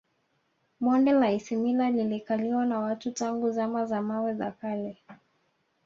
Bonde la Isimila lilikaliwa na watu tangu Zama za Mawe za Kale